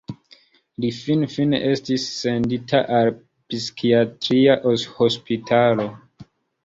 Li finfine estis sendita al psikiatria hospitalo.